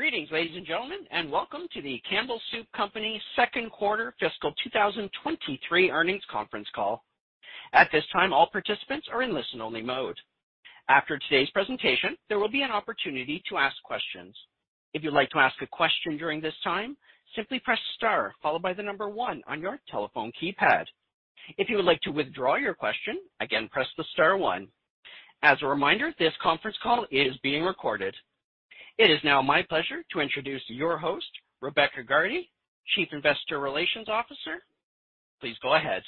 Greetings, ladies and gentlemen, and welcome to the Campbell Soup Company second quarter fiscal 2023 earnings conference call. At this time, all participants are in listen-only mode. After today's presentation, there will be an opportunity to ask questions. If you'd like to ask a question during this time, simply press star followed by the number one on your telephone keypad. If you would like to withdraw your question, again, press the star one. As a reminder, this conference call is being recorded. It is now my pleasure to introduce your host, Rebecca Gardy, Chief Investor Relations Officer. Please go ahead.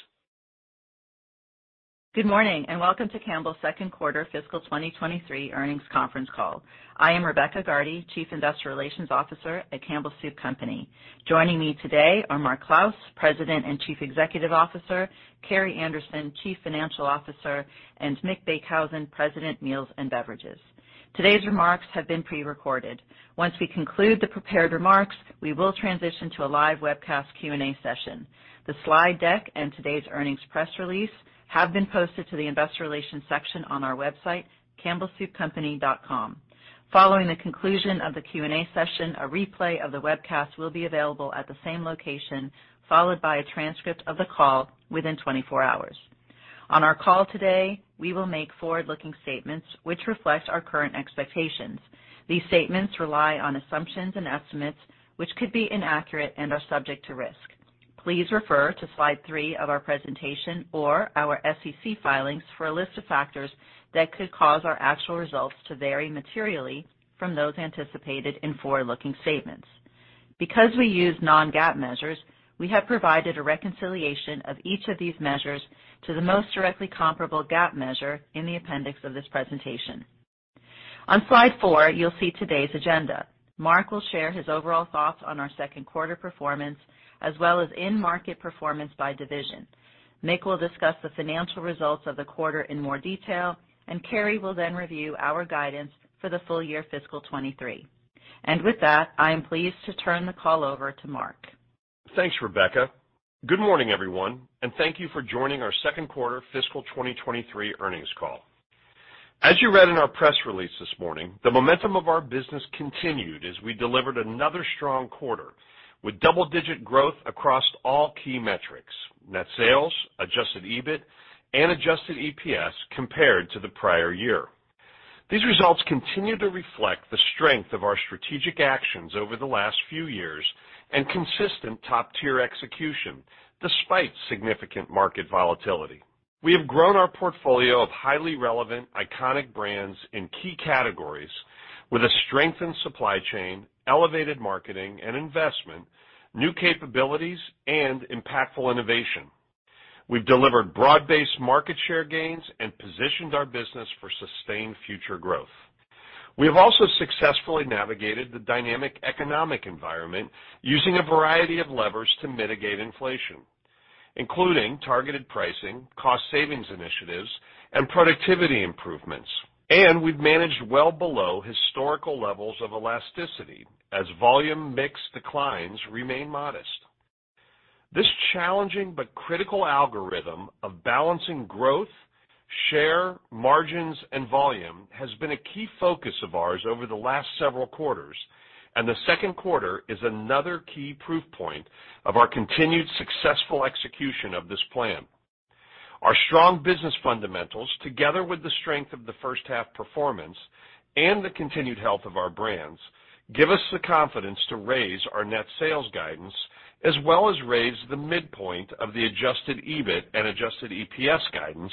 Good morning, welcome to Campbell's second quarter fiscal 2023 earnings conference call. I am Rebecca Gardy, Chief Investor Relations Officer at Campbell Soup Company. Joining me today are Mark Clouse, President and Chief Executive Officer, Carrie Anderson, Chief Financial Officer, and Mick Beekhuizen, President, Meals and Beverages. Today's remarks have been prerecorded. Once we conclude the prepared remarks, we will transition to a live webcast Q&A session. The slide deck and today's earnings press release have been posted to the Investor Relations section on our website, campbellsoupcompany.com. Following the conclusion of the Q&A session, a replay of the webcast will be available at the same location, followed by a transcript of the call within 24 hours. On our call today, we will make forward-looking statements which reflect our current expectations. These statements rely on assumptions and estimates which could be inaccurate and are subject to risk. Please refer to slide three of our presentation or our SEC filings for a list of factors that could cause our actual results to vary materially from those anticipated in forward-looking statements. Because we use Non-GAAP measures, we have provided a reconciliation of each of these measures to the most directly comparable GAAP measure in the appendix of this presentation. On slide four, you'll see today's agenda. Mark will share his overall thoughts on our second quarter performance, as well as in-market performance by division. Mick will discuss the financial results of the quarter in more detail, and Carrie will then review our guidance for the full year fiscal 2023. With that, I am pleased to turn the call over to Mark. Thanks, Rebecca. Good morning, everyone, thank you for joining our second quarter fiscal 2023 earnings call. As you read in our press release this morning, the momentum of our business continued as we delivered another strong quarter with double-digit growth across all key metrics: net sales, adjusted EBIT and adjusted EPS compared to the prior year. These results continue to reflect the strength of our strategic actions over the last few years and consistent top-tier execution despite significant market volatility. We have grown our portfolio of highly relevant, iconic brands in key categories with a strengthened supply chain, elevated marketing and investment, new capabilities and impactful innovation. We've delivered broad-based market share gains and positioned our business for sustained future growth. We have also successfully navigated the dynamic economic environment using a variety of levers to mitigate inflation, including targeted pricing, cost savings initiatives, and productivity improvements. We've managed well below historical levels of elasticity as volume mix declines remain modest. This challenging but critical algorithm of balancing growth, share, margins and volume has been a key focus of ours over the last several quarters, and the second quarter is another key proof point of our continued successful execution of this plan. Our strong business fundamentals, together with the strength of the first half performance and the continued health of our brands, give us the confidence to raise our net sales guidance as well as raise the midpoint of the adjusted EBIT and adjusted EPS guidance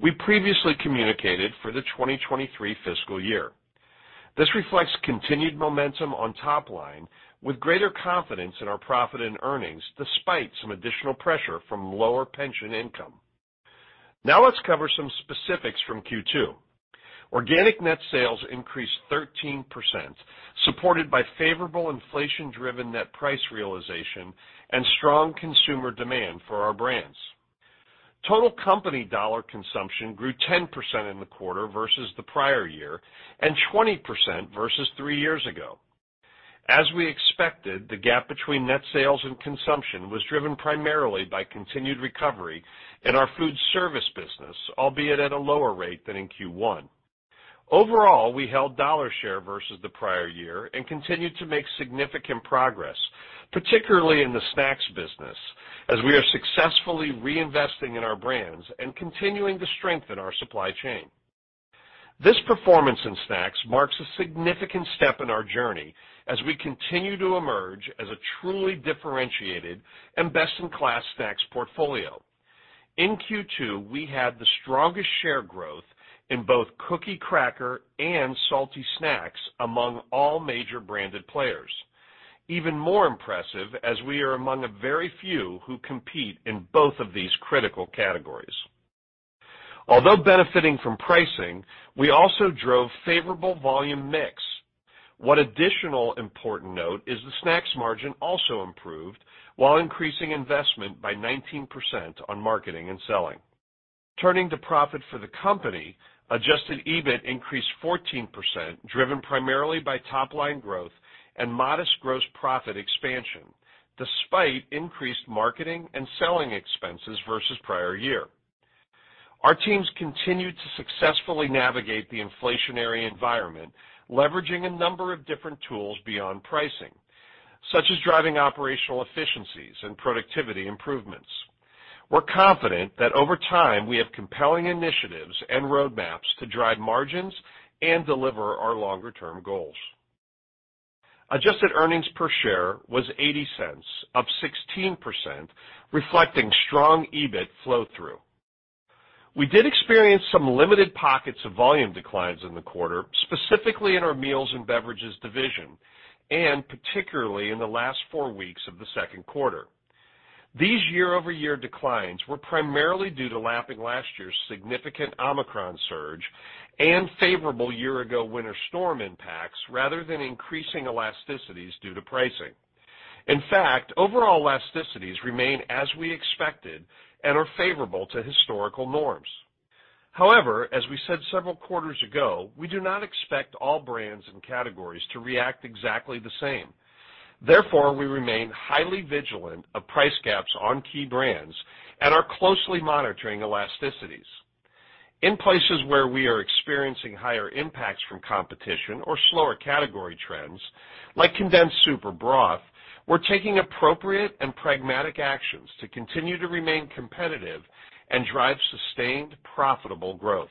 we previously communicated for the 2023 fiscal year. This reflects continued momentum on top line with greater confidence in our profit and earnings despite some additional pressure from lower pension income. Let's cover some specifics from Q2. Organic net sales increased 13%, supported by favorable inflation-driven net price realization and strong consumer demand for our brands. Total company dollar consumption grew 10% in the quarter versus the prior year and 20% versus three years ago. As we expected, the gap between net sales and consumption was driven primarily by continued recovery in our Food Service business, albeit at a lower rate than in Q1. Overall, we held dollar share versus the prior year and continued to make significant progress, particularly in the Snacks business, as we are successfully reinvesting in our brands and continuing to strengthen our supply chain. This performance in Snacks marks a significant step in our journey as we continue to emerge as a truly differentiated and best-in-class Snacks portfolio. In Q2, we had the strongest share growth in both cookie, cracker and salty snacks among all major branded players. Even more impressive as we are among a very few who compete in both of these critical categories. Although benefiting from pricing, we also drove favorable volume mix. One additional important note is the Snacks margin also improved while increasing investment by 19% on marketing and selling. Turning to profit for the company, adjusted EBIT increased 14%, driven primarily by top line growth and modest gross profit expansion, despite increased marketing and selling expenses versus prior year. Our teams continued to successfully navigate the inflationary environment, leveraging a number of different tools beyond pricing, such as driving operational efficiencies and productivity improvements. We're confident that over time, we have compelling initiatives and roadmaps to drive margins and deliver our longer-term goals. Adjusted earnings per share was $0.80, up 16%, reflecting strong EBIT flow-through. We did experience some limited pockets of volume declines in the quarter, specifically in our Meals & Beverages division, and particularly in the last four weeks of the second quarter. These year-over-year declines were primarily due to lapping last year's significant Omicron surge and favorable year-ago winter storm impacts rather than increasing elasticities due to pricing. Overall elasticities remain as we expected and are favorable to historical norms. As we said several quarters ago, we do not expect all brands and categories to react exactly the same. We remain highly vigilant of price gaps on key brands and are closely monitoring elasticities. In places where we are experiencing higher impacts from competition or slower category trends, like condensed soup or broth, we're taking appropriate and pragmatic actions to continue to remain competitive and drive sustained, profitable growth.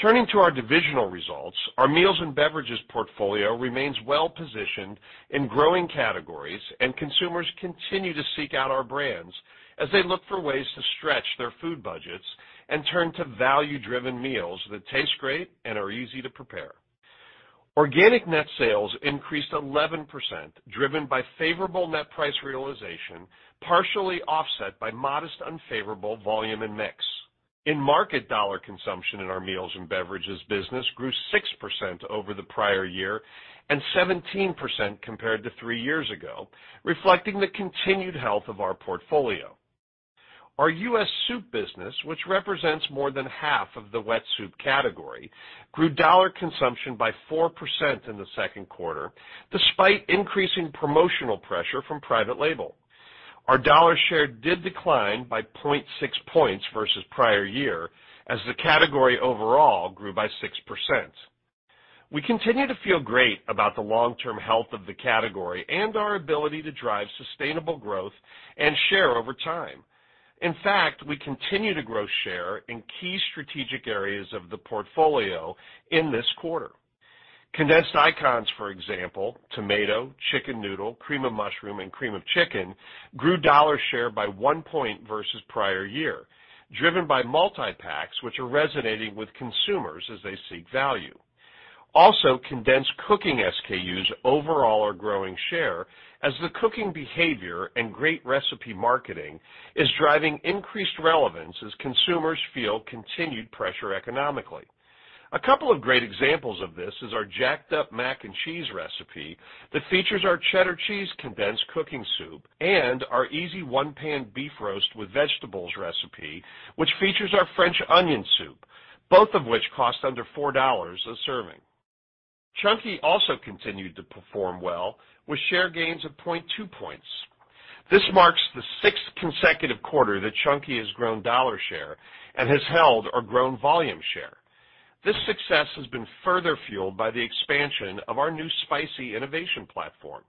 Turning to our divisional results, our Meals & Beverages portfolio remains well-positioned in growing categories, and consumers continue to seek out our brands as they look for ways to stretch their food budgets and turn to value-driven meals that taste great and are easy to prepare. Organic net sales increased 11%, driven by favorable net price realization, partially offset by modest unfavorable volume and mix. In market dollar consumption in our Meals & Beverages business grew 6% over the prior year and 17% compared to three years ago, reflecting the continued health of our portfolio. Our U.S. Soup business, which represents more than half of the wet soup category, grew dollar consumption by 4% in the second quarter, despite increasing promotional pressure from private label. Our dollar share did decline by 0.6 points versus prior year as the category overall grew by 6%. We continue to feel great about the long-term health of the category and our ability to drive sustainable growth and share over time. In fact, we continue to grow share in key strategic areas of the portfolio in this quarter. Condensed icons, for example, tomato, chicken noodle, cream of mushroom, and cream of chicken, grew dollar share by 1 point versus prior year, driven by multi-packs, which are resonating with consumers as they seek value. Condensed cooking SKUs overall are growing share as the cooking behavior and great recipe marketing is driving increased relevance as consumers feel continued pressure economically. A couple of great examples of this is our Jacked Up Mac & Cheese recipe that features our cheddar cheese condensed cooking soup and our Easy One-Pan Beef Roast with Vegetables recipe, which features our French Onion soup, both of which cost under $4 a serving. Chunky also continued to perform well with share gains of 0.2 points. This marks the sixth consecutive quarter that Chunky has grown dollar share and has held or grown volume share. This success has been further fueled by the expansion of our new spicy innovation platform.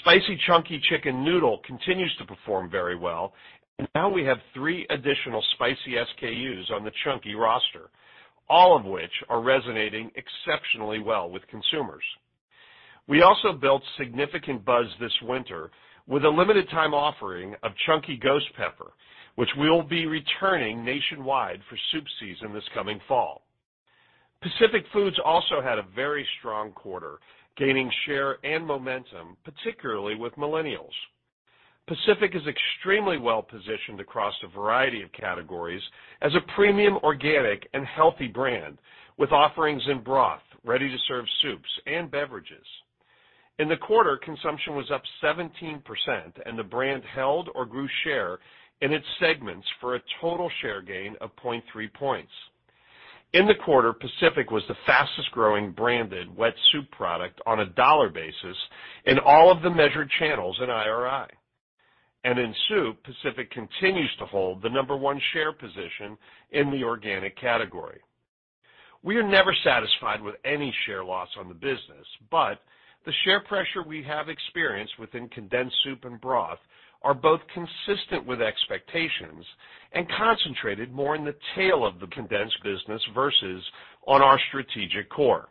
Spicy Chunky Chicken Noodle continues to perform very well, and now we have three additional spicy SKUs on the Chunky roster, all of which are resonating exceptionally well with consumers. We also built significant buzz this winter with a limited time offering of Chunky Ghost Pepper, which will be returning nationwide for soup season this coming fall. Pacific Foods also had a very strong quarter, gaining share and momentum, particularly with millennials. Pacific is extremely well-positioned across a variety of categories as a premium organic and healthy brand with offerings in broth, ready-to-serve soups, and beverages. In the quarter, consumption was up 17%, and the brand held or grew share in its segments for a total share gain of 0.3 points. In the quarter, Pacific was the fastest growing branded wet soup product on a dollar basis in all of the measured channels in IRI. In Soup, Pacific continues to hold the number one share position in the organic category. We are never satisfied with any share loss on the business, but the share pressure we have experienced within condensed soup and broth are both consistent with expectations and concentrated more in the tail of the condensed business versus on our strategic core.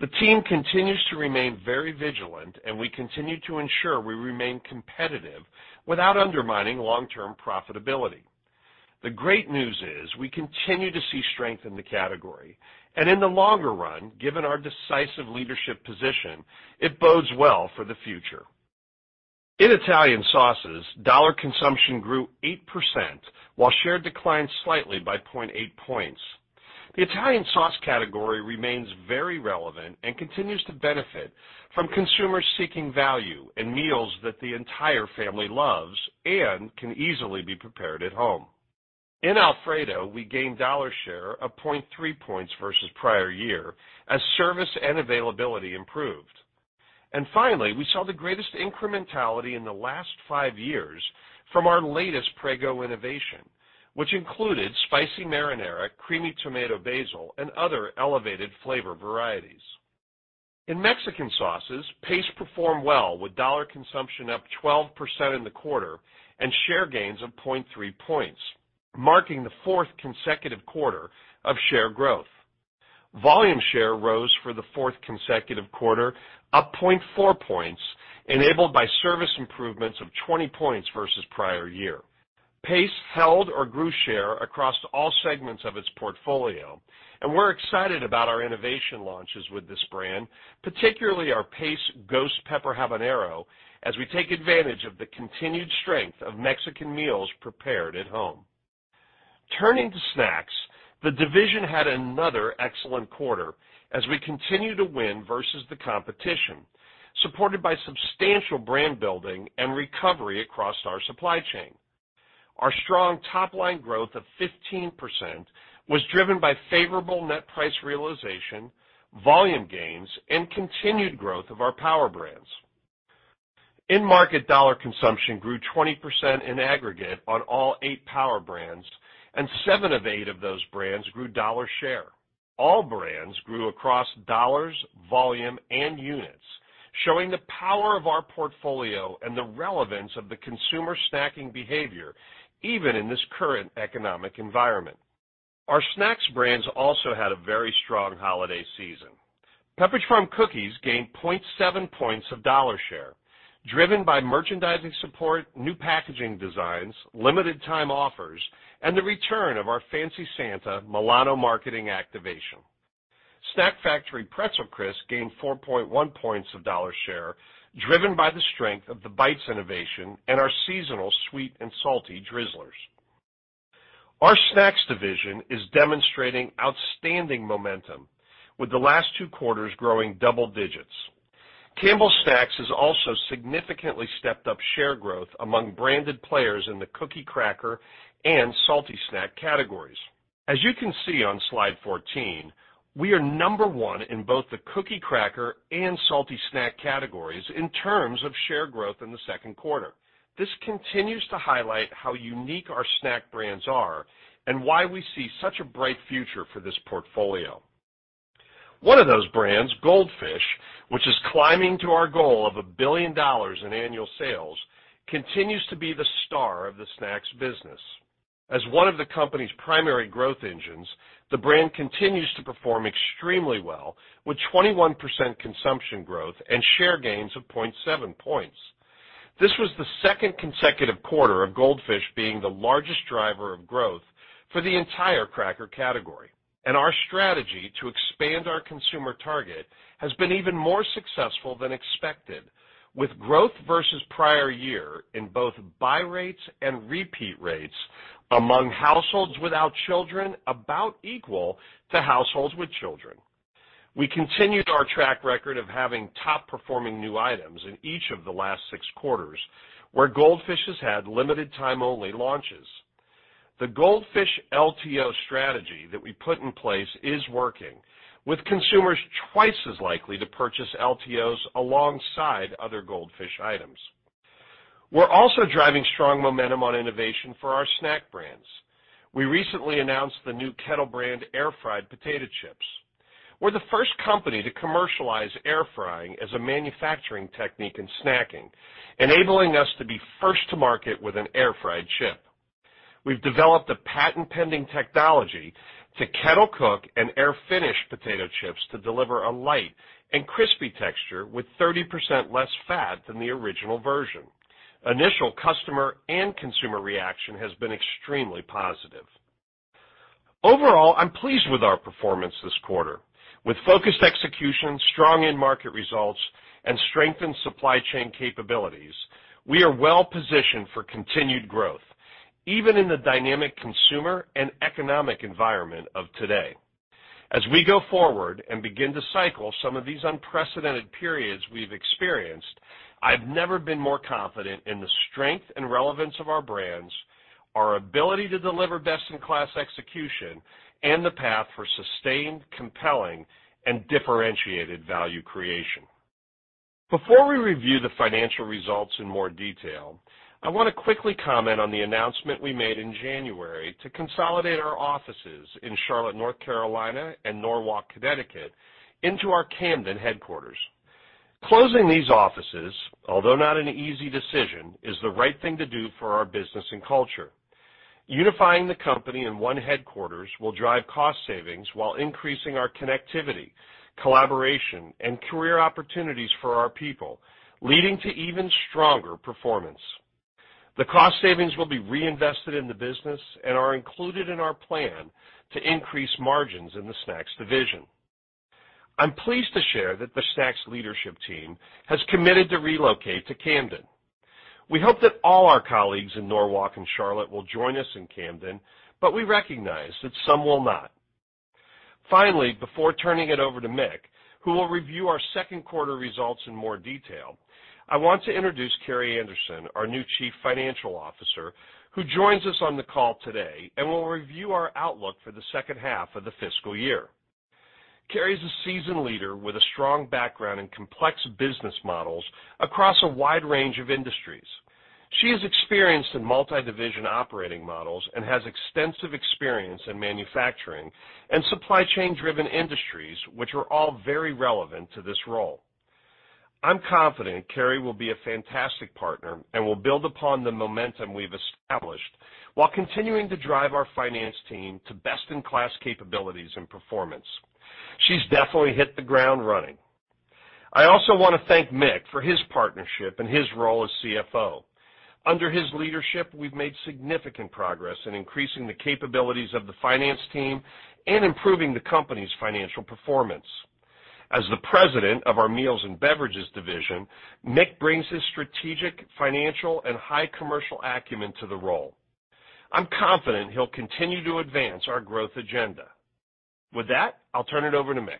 The team continues to remain very vigilant, and we continue to ensure we remain competitive without undermining long-term profitability. The great news is we continue to see strength in the category, and in the longer run, given our decisive leadership position, it bodes well for the future. In Italian Sauces, dollar consumption grew 8%, while share declined slightly by 0.8 points. The Italian Sauce category remains very relevant and continues to benefit from consumers seeking value in meals that the entire family loves and can easily be prepared at home. In Alfredo, we gained dollar share of 0.3 points versus prior year as service and availability improved. Finally, we saw the greatest incrementality in the last five years from our latest Prego innovation, which included Spicy Marinara, Creamy Tomato Basil, and other elevated flavor varieties. In Mexican Sauces, Pace performed well with dollar consumption up 12% in the quarter and share gains of 0.3 points, marking the fourth consecutive quarter of share growth. Volume share rose for the fourth consecutive quarter, up 0.4 points, enabled by service improvements of 20 points versus prior year. Pace held or grew share across all segments of its portfolio, and we're excited about our innovation launches with this brand, particularly our Pace Ghost Pepper Habanero, as we take advantage of the continued strength of Mexican meals prepared at home. Turning to Snacks, the division had another excellent quarter as we continue to win versus the competition, supported by substantial brand building and recovery across our supply chain. Our strong top-line growth of 15% was driven by favorable net price realization, volume gains, and continued growth of our Power Brands. In-market dollar consumption grew 20% in aggregate on all eight Power Brands, and seven of eight of those brands grew dollar share. All brands grew across dollars, volume and units, showing the power of our portfolio and the relevance of the consumer snacking behavior even in this current economic environment. Our Snacks brands also had a very strong holiday season. Pepperidge Farm Cookies gained 0.7 points of dollar share, driven by merchandising support, new packaging designs, limited time offers, and the return of our Fancy Santa Milano marketing activation. Snack Factory Pretzel Crisps gained 4.1 points of dollar share, driven by the strength of the Bites innovation and our seasonal sweet and salty drizzlers. Our Snacks division is demonstrating outstanding momentum, with the last two quarters growing double digits. Campbell Snacks has also significantly stepped up share growth among branded players in the cookie, cracker, and salty snack categories. As you can see on slide 14, we are number one in both the cookie, cracker, and salty snack categories in terms of share growth in the second quarter. This continues to highlight how unique our snack brands are and why we see such a bright future for this portfolio. One of those brands, Goldfish, which is climbing to our goal of a billion dollars in annual sales, continues to be the star of the Snacks business. As one of the company's primary growth engines, the brand continues to perform extremely well, with 21% consumption growth and share gains of 0.7 points. This was the second consecutive quarter of Goldfish being the largest driver of growth for the entire cracker category. Our strategy to expand our consumer target has been even more successful than expected, with growth versus prior year in both buy rates and repeat rates among households without children about equal to households with children. We continued our track record of having top-performing new items in each of the last six quarters where Goldfish has had limited time only launches. The Goldfish LTO strategy that we put in place is working with consumers twice as likely to purchase LTOs alongside other Goldfish items. We're also driving strong momentum on innovation for our snack brands. We recently announced the new Kettle Brand Air Fried Potato Chips. We're the first company to commercialize air frying as a manufacturing technique in snacking, enabling us to be first to market with an air-fried chip. We've developed a patent-pending technology to kettle cook and air-finish potato chips to deliver a light and crispy texture with 30% less fat than the original version. Initial customer and consumer reaction has been extremely positive. Overall, I'm pleased with our performance this quarter. With focused execution, strong end market results, and strengthened supply chain capabilities, we are well positioned for continued growth, even in the dynamic consumer and economic environment of today. As we go forward and begin to cycle some of these unprecedented periods we've experienced, I've never been more confident in the strength and relevance of our brands, our ability to deliver best-in-class execution, and the path for sustained, compelling, and differentiated value creation. Before we review the financial results in more detail, I want to quickly comment on the announcement we made in January to consolidate our offices in Charlotte, North Carolina, and Norwalk, Connecticut, into our Camden headquarters. Closing these offices, although not an easy decision, is the right thing to do for our business and culture. Unifying the company in one headquarters will drive cost savings while increasing our connectivity, collaboration, and career opportunities for our people, leading to even stronger performance. The cost savings will be reinvested in the business and are included in our plan to increase margins in the Snacks division. I'm pleased to share that the Snacks leadership team has committed to relocate to Camden. We hope that all our colleagues in Norwalk and Charlotte will join us in Camden, but we recognize that some will not. Before turning it over to Mick, who will review our second quarter results in more detail, I want to introduce Carrie Anderson, our new Chief Financial Officer, who joins us on the call today and will review our outlook for the second half of the fiscal year. Carrie is a seasoned leader with a strong background in complex business models across a wide range of industries. She is experienced in multi-division operating models and has extensive experience in manufacturing and supply chain driven industries, which are all very relevant to this role. I'm confident Carrie will be a fantastic partner and will build upon the momentum we've established while continuing to drive our finance team to best-in-class capabilities and performance. She's definitely hit the ground running. I also wanna thank Mick for his partnership and his role as CFO. Under his leadership, we've made significant progress in increasing the capabilities of the finance team and improving the company's financial performance. As the President of our Meals & Beverages division, Mick brings his strategic, financial and high commercial acumen to the role. I'm confident he'll continue to advance our growth agenda. With that, I'll turn it over to Mick.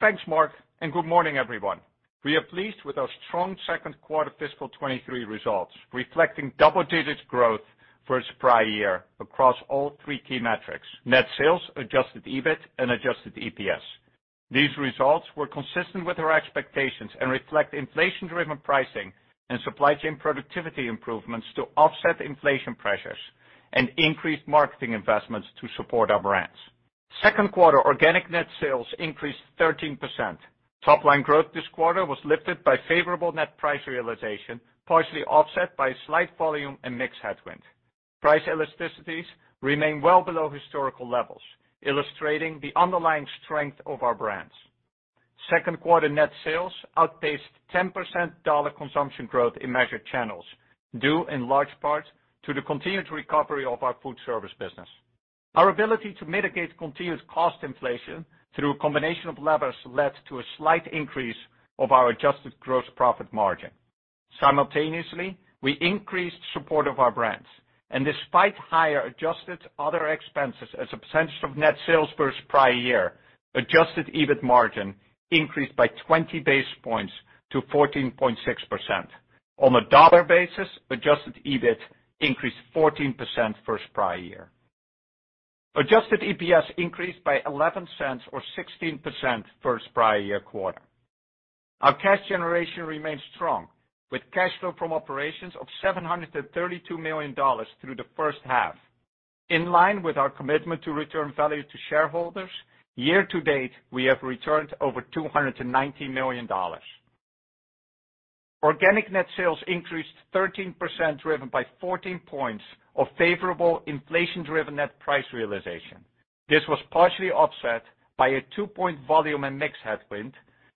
Thanks, Mark. Good morning, everyone. We are pleased with our strong second quarter fiscal 2023 results, reflecting double-digit growth versus prior year across all three key metrics: net sales, adjusted EBIT and adjusted EPS. These results were consistent with our expectations and reflect inflation-driven pricing and supply chain productivity improvements to offset inflation pressures and increased marketing investments to support our brands. Second quarter organic net sales increased 13%. Top line growth this quarter was lifted by favorable net price realization, partially offset by slight volume and mix headwind. Price elasticities remain well below historical levels, illustrating the underlying strength of our brands. Second quarter net sales outpaced 10% dollar consumption growth in measured channels, due in large part to the continued recovery of our Food Service business. Our ability to mitigate continued cost inflation through a combination of levers led to a slight increase of our adjusted gross profit margin. Simultaneously, we increased support of our brands, and despite higher adjusted other expenses as a percentage of net sales versus prior year, adjusted EBIT margin increased by 20 basis points to 14.6%. On a dollar basis, adjusted EBIT increased 14% versus prior year. Adjusted EPS increased by $0.11 or 16% versus prior year quarter. Our cash generation remains strong, with cash flow from operations of $732 million through the first half. In line with our commitment to return value to shareholders, year to date, we have returned over $290 million. Organic net sales increased 13%, driven by 14 points of favorable inflation-driven net price realization. This was partially offset by a two-point volume and mix headwind,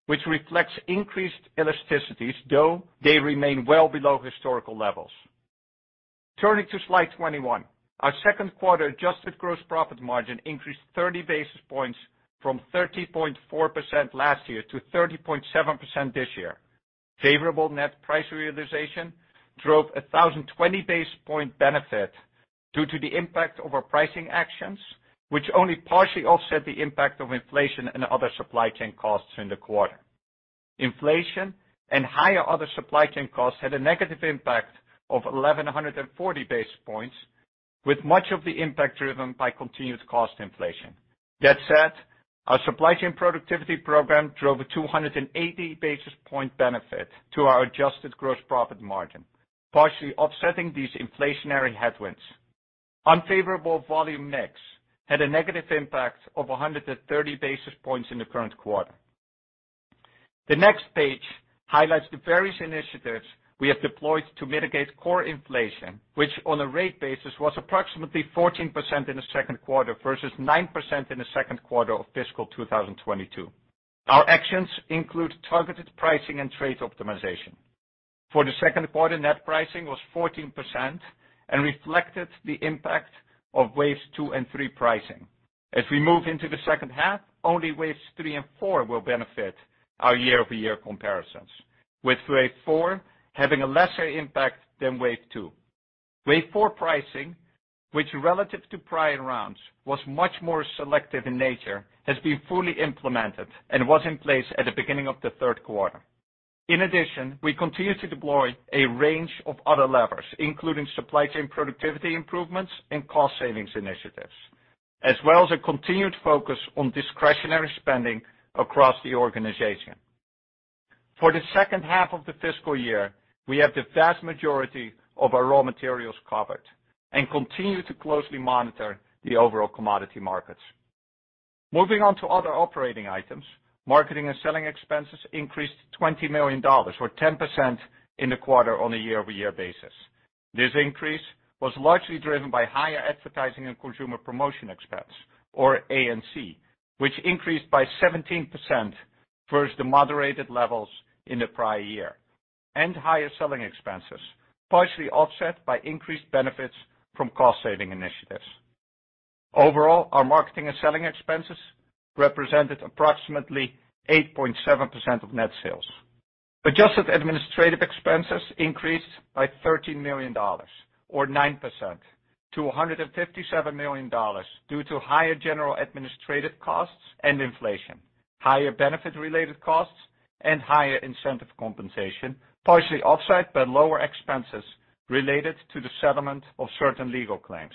which reflects increased elasticities, though they remain well below historical levels. Turning to slide 21. Our second quarter adjusted gross profit margin increased 30 basis points from 30.4% last year to 30.7% this year. Favorable net price realization drove a 1,020 basis point benefit due to the impact of our pricing actions, which only partially offset the impact of inflation and other supply chain costs in the quarter. Inflation and higher other supply chain costs had a negative impact of 1,140 basis points, with much of the impact driven by continued cost inflation. That said, our supply chain productivity program drove a 280 basis point benefit to our adjusted gross profit margin, partially offsetting these inflationary headwinds. Unfavorable volume mix had a negative impact of 130 basis points in the current quarter. The next page highlights the various initiatives we have deployed to mitigate core inflation, which on a rate basis was approximately 14% in the second quarter versus 9% in the second quarter of fiscal 2022. Our actions include targeted pricing and trade optimization. For the second quarter, net pricing was 14% and reflected the impact of waves two and three pricing. As we move into the second half, only waves three and four will benefit our year-over-year comparisons, with wave four having a lesser impact than wave two. Wave four pricing, which relative to prior rounds was much more selective in nature, has been fully implemented and was in place at the beginning of the third quarter. We continue to deploy a range of other levers, including supply chain productivity improvements and cost savings initiatives, as well as a continued focus on discretionary spending across the organization. For the second half of the fiscal year, we have the vast majority of our raw materials covered and continue to closely monitor the overall commodity markets. Moving on to other operating items. Marketing and selling expenses increased $20 million or 10% in the quarter on a year-over-year basis. This increase was largely driven by higher Advertising and Consumer promotion expense, or A&C, which increased by 17% versus the moderated levels in the prior year, and higher selling expenses, partially offset by increased benefits from cost saving initiatives. Our marketing and selling expenses represented approximately 8.7% of net sales. Adjusted administrative expenses increased by $13 million or 9% to $157 million due to higher general administrative costs and inflation, higher benefit related costs and higher incentive compensation, partially offset by lower expenses related to the settlement of certain legal claims.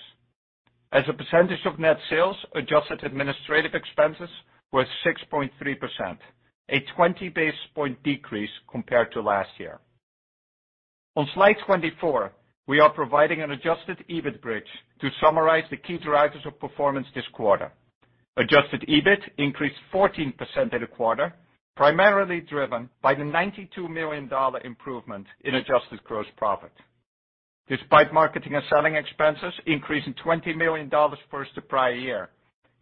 As a percentage of net sales, adjusted administrative expenses were 6.3%, a 20 basis point decrease compared to last year. On slide 24, we are providing an adjusted EBIT bridge to summarize the key drivers of performance this quarter. Adjusted EBIT increased 14% in the quarter, primarily driven by the $92 million improvement in adjusted gross profit. Despite marketing and selling expenses increasing $20 million versus the prior year,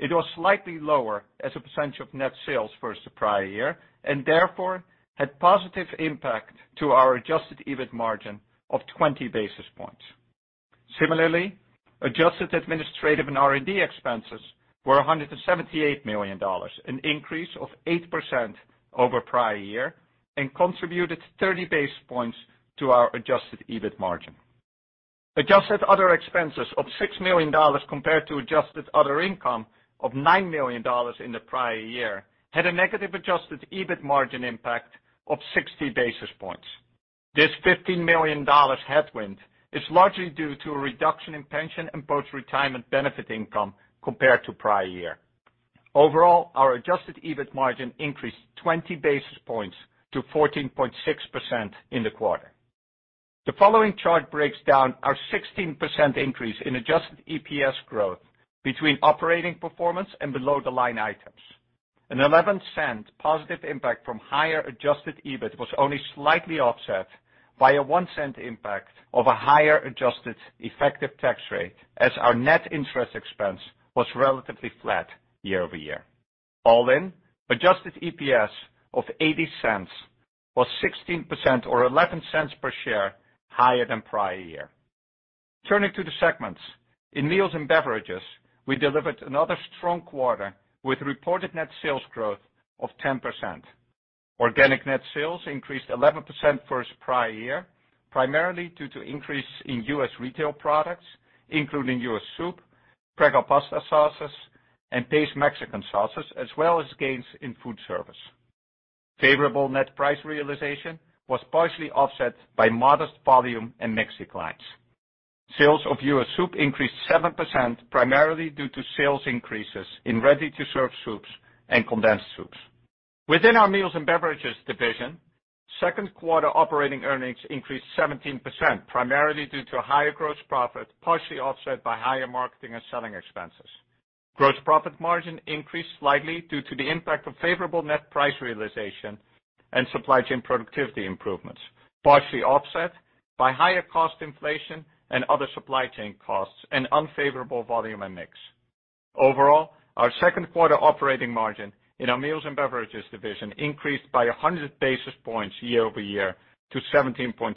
it was slightly lower as a percent of net sales versus the prior year, and therefore had positive impact to our adjusted EBIT margin of 20 basis points. Adjusted administrative and R&D expenses were $178 million, an increase of 8% over prior year, contributed 30 basis points to our adjusted EBIT margin. Adjusted other expenses of $6 million compared to adjusted other income of $9 million in the prior year had a negative adjusted EBIT margin impact of 60 basis points. This $15 million headwind is largely due to a reduction in pension and post-retirement benefit income compared to prior year. Our adjusted EBIT margin increased 20 basis points to 14.6% in the quarter. The following chart breaks down our 16% increase in adjusted EPS growth between operating performance and below-the-line items. An $0.11 positive impact from higher adjusted EBIT was only slightly offset by a $0.01 impact of a higher adjusted effective tax rate as our net interest expense was relatively flat year-over-year. All in, adjusted EPS of $0.80 was 16% or $0.11 per share higher than prior year. Turning to the segments. In Meals & Beverages, we delivered another strong quarter with reported net sales growth of 10%. Organic net sales increased 11% versus the prior year, primarily due to increase in U.S. retail products, including U.S. soup, Prego pasta sauces, and Pace Mexican sauces, as well as gains in Food Service. Favorable net price realization was partially offset by modest volume and mix declines. Sales of U.S. soup increased 7% primarily due to sales increases in ready-to-serve soups and condensed soups. Within our Meals & Beverages division, second quarter operating earnings increased 17%, primarily due to higher gross profit, partially offset by higher marketing and selling expenses. Gross profit margin increased slightly due to the impact of favorable net price realization and supply chain productivity improvements, partially offset by higher cost inflation and other supply chain costs and unfavorable volume and mix. Overall, our second quarter operating margin in our Meals & Beverages division increased by 100 basis points year over year to 17.7%.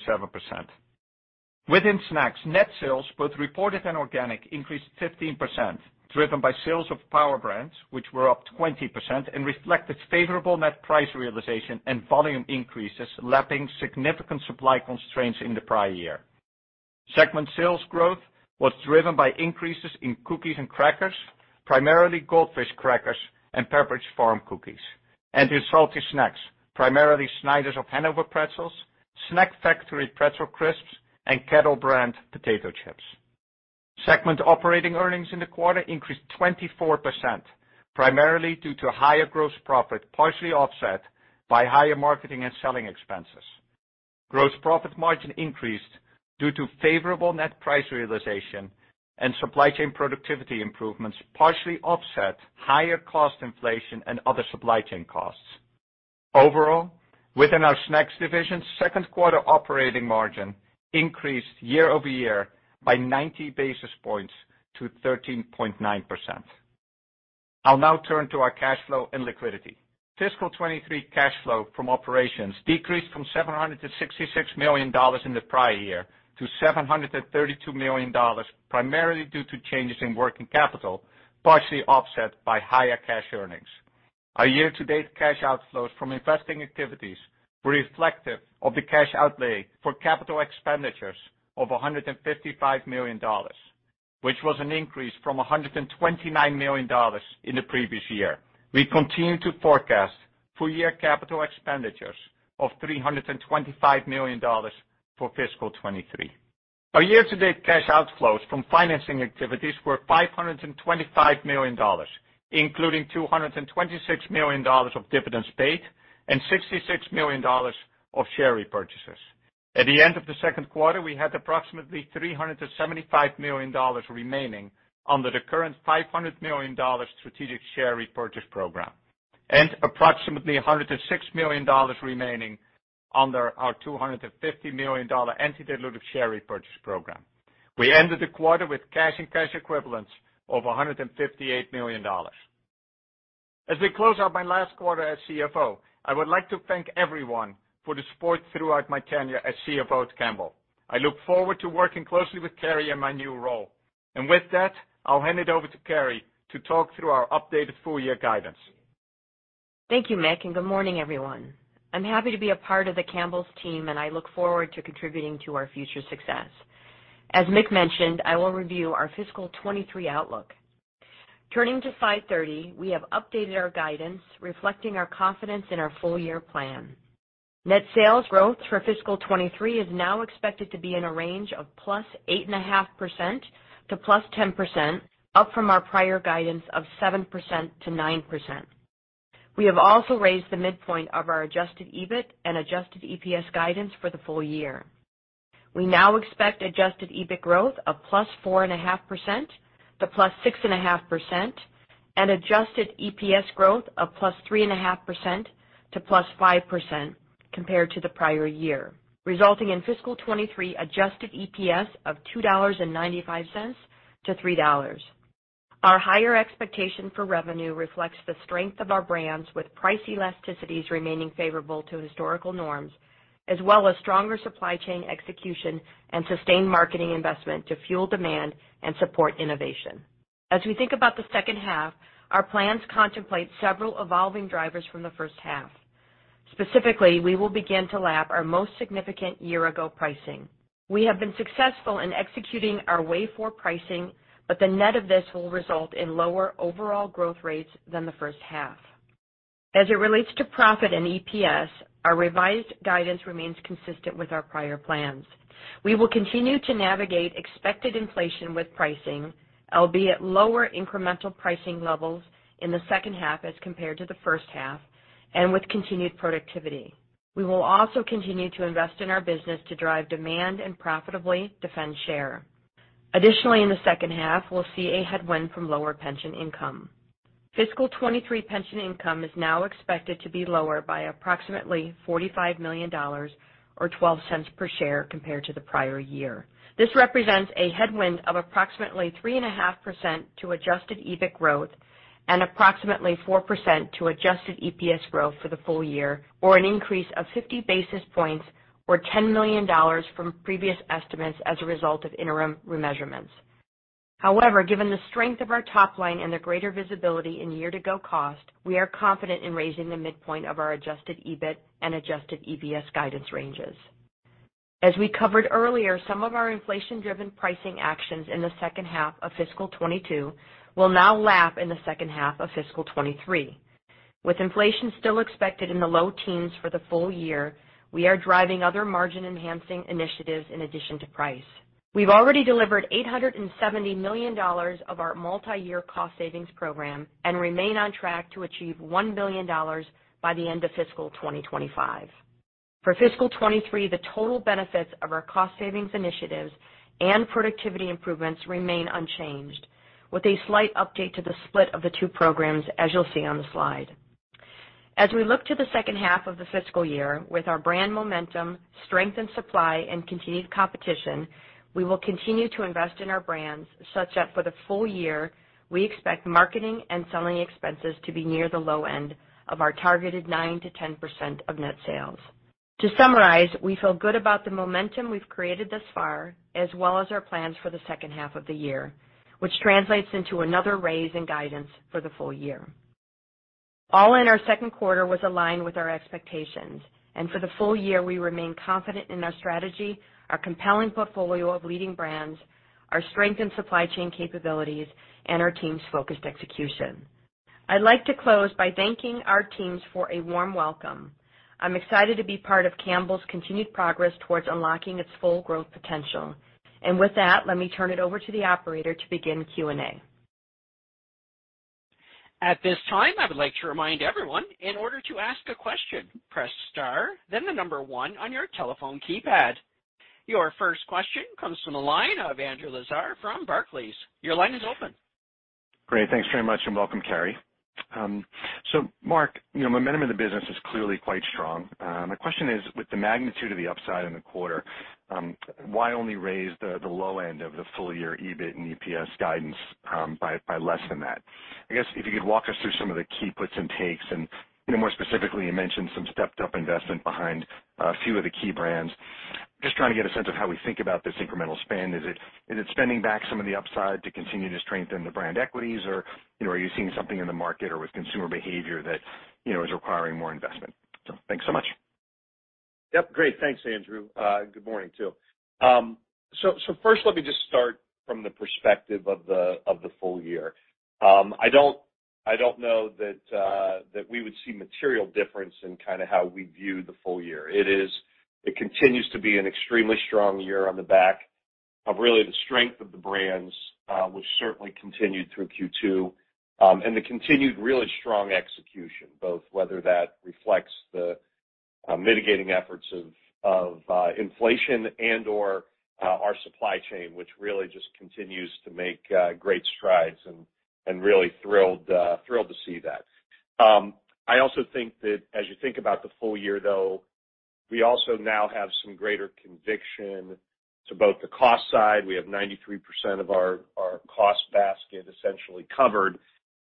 Within Snacks, net sales, both reported and organic, increased 15%, driven by sales of Power Brands, which were up to 20% and reflected favorable net price realization and volume increases, lapping significant supply constraints in the prior year. Segment sales growth was driven by increases in cookies and crackers, primarily Goldfish crackers and Pepperidge Farm cookies, and in salty snacks, primarily Snyder's of Hanover pretzels, Snack Factory Pretzel Crisps, and Kettle Brand potato chips. Segment operating earnings in the quarter increased 24%, primarily due to higher gross profit, partially offset by higher marketing and selling expenses. Gross profit margin increased due to favorable net price realization and supply chain productivity improvements, partially offset higher cost inflation and other supply chain costs. Overall, within our Snacks division, second quarter operating margin increased year over year by 90 basis points to 13.9%. I'll now turn to our cash flow and liquidity. Fiscal 2023 cash flow from operations decreased from $766 million in the prior year to $732 million, primarily due to changes in working capital, partially offset by higher cash earnings. Our year-to-date cash outflows from investing activities were reflective of the cash outlay for capital expenditures of $155 million, which was an increase from $129 million in the previous year. We continue to forecast full year capital expenditures of $325 million for fiscal 2023. Our year-to-date cash outflows from financing activities were $525 million, including $226 million of dividends paid and $66 million of share repurchases. At the end of the second quarter, we had approximately $375 million remaining under the current $500 million strategic share repurchase program, and approximately $106 million remaining under our $250 million anti-dilutive share repurchase program. We ended the quarter with cash and cash equivalents of $158 million. As we close out my last quarter as CFO, I would like to thank everyone for the support throughout my tenure as CFO at Campbell. I look forward to working closely with Carrie in my new role. With that, I'll hand it over to Carrie to talk through our updated full year guidance. Thank you, Mick, and good morning, everyone. I'm happy to be a part of the Campbell's team, and I look forward to contributing to our future success. As Mick mentioned, I will review our fiscal 2023 outlook. Turning to slide 30, we have updated our guidance reflecting our confidence in our full year plan. Net sales growth for fiscal 2023 is now expected to be in a range of +8.5%-+10%, up from our prior guidance of 7%-9%. We have also raised the midpoint of our adjusted EBIT and adjusted EPS guidance for the full year. We now expect adjusted EBIT growth of +4.5%-+6.5% and adjusted EPS growth of +3.5%-+5% compared to the prior year, resulting in fiscal 2023 adjusted EPS of $2.95-$3.00. Our higher expectation for revenue reflects the strength of our brands with price elasticities remaining favorable to historical norms as well as stronger supply chain execution and sustained marketing investment to fuel demand and support innovation. As we think about the second half, our plans contemplate several evolving drivers from the first half. Specifically, we will begin to lap our most significant year ago pricing. We have been successful in executing our wave four pricing, but the net of this will result in lower overall growth rates than the first half. As it relates to profit and EPS, our revised guidance remains consistent with our prior plans. We will continue to navigate expected inflation with pricing, albeit lower incremental pricing levels in the second half as compared to the first half and with continued productivity. We will also continue to invest in our business to drive demand and profitably defend share. In the second half, we'll see a headwind from lower pension income. Fiscal 2023 pension income is now expected to be lower by approximately $45 million or $0.12 per share compared to the prior year. This represents a headwind of approximately 3.5% to adjusted EBIT growth and approximately 4% to adjusted EPS growth for the full year, or an increase of 50 basis points or $10 million from previous estimates as a result of interim remeasurements. Given the strength of our top line and the greater visibility in year to go cost, we are confident in raising the midpoint of our adjusted EBIT and adjusted EPS guidance ranges. As we covered earlier, some of our inflation-driven pricing actions in the second half of fiscal 2022 will now lap in the second half of fiscal 2023. With inflation still expected in the low teens for the full year, we are driving other margin-enhancing initiatives in addition to price. We've already delivered $870 million of our multiyear cost savings program and remain on track to achieve $1 billion by the end of fiscal 2025. For fiscal 2023, the total benefits of our cost savings initiatives and productivity improvements remain unchanged with a slight update to the split of the two programs, as you'll see on the slide. As we look to the second half of the fiscal year with our brand momentum, strength in supply, and continued competition, we will continue to invest in our brands such that for the full year, we expect marketing and selling expenses to be near the low end of our targeted 9%-10% of net sales. To summarize, we feel good about the momentum we've created thus far, as well as our plans for the second half of the year, which translates into another raise in guidance for the full year. All in our second quarter was aligned with our expectations. For the full year, we remain confident in our strategy, our compelling portfolio of leading brands, our strength in supply chain capabilities, and our team's focused execution. I'd like to close by thanking our teams for a warm welcome. I'm excited to be part of Campbell's continued progress towards unlocking its full growth potential. With that, let me turn it over to the operator to begin Q&A. At this time, I would like to remind everyone, in order to ask a question, press star, then the number one on your telephone keypad. Your first question comes from the line of Andrew Lazar from Barclays. Your line is open. Great. Thanks very much, and welcome, Carrie. Mark, you know, momentum of the business is clearly quite strong. My question is, with the magnitude of the upside in the quarter, why only raise the low end of the full year EBIT and EPS guidance, by less than that? I guess if you could walk us through some of the key puts and takes and, you know, more specifically, you mentioned some stepped-up investment behind a few of the key brands. Just trying to get a sense of how we think about this incremental spend. Is it spending back some of the upside to continue to strengthen the brand equities, or, you know, are you seeing something in the market or with consumer behavior that, you know, is requiring more investment? Thanks so much. Yep. Great. Thanks, Andrew. Good morning, too. First let me just start from the perspective of the full year. I don't know that we would see material difference in kinda how we view the full year. It continues to be an extremely strong year on the back of really the strength of the brands, which certainly continued through Q2, and the continued really strong execution, both whether that reflects the mitigating efforts of inflation and/or our supply chain, which really just continues to make great strides and really thrilled to see that. I also think that as you think about the full year though, we also now have some greater conviction to both the cost side. We have 93% of our cost basket essentially covered.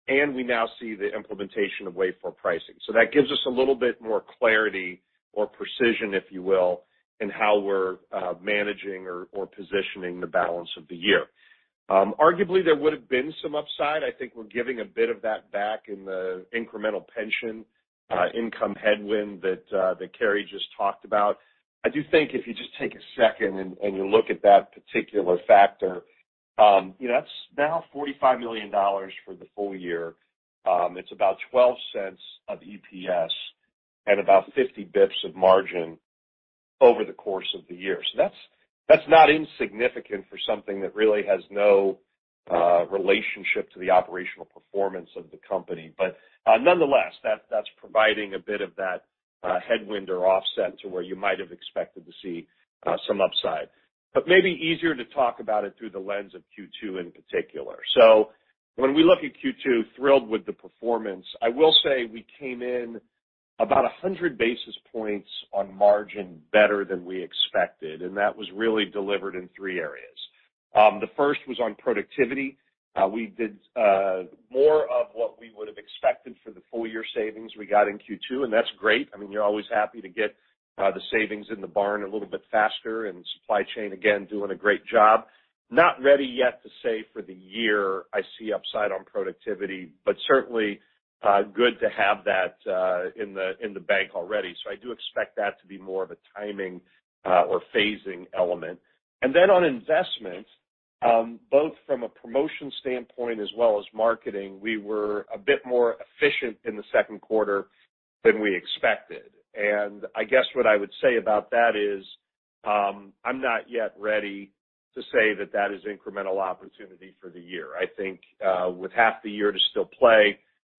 We now see the implementation of wave four pricing. That gives us a little bit more clarity or precision, if you will, in how we're managing or positioning the balance of the year. Arguably, there would have been some upside. I think we're giving a bit of that back in the incremental pension Income headwind that Carrie just talked about. I do think if you just take a second and you look at that particular factor, you know, that's now $45 million for the full year. It's about $0.12 of EPS and about 50 basis points of margin over the course of the year. That's, that's not insignificant for something that really has no relationship to the operational performance of the company. Nonetheless, that's providing a bit of that headwind or offset to where you might have expected to see some upside. Maybe easier to talk about it through the lens of Q2 in particular. When we look at Q2, thrilled with the performance. I will say we came in about 100 basis points on margin better than we expected, and that was really delivered in three areas. The first was on productivity. We did more of what we would've expected for the full year savings we got in Q2, and that's great. I mean, you're always happy to get the savings in the barn a little bit faster, and supply chain, again, doing a great job. Not ready yet to say for the year I see upside on productivity, but certainly good to have that in the bank already. I do expect that to be more of a timing or phasing element. On investments, both from a promotion standpoint as well as marketing, we were a bit more efficient in the second quarter than we expected. I guess what I would say about that is, I'm not yet ready to say that that is incremental opportunity for the year. I think, with half the year to still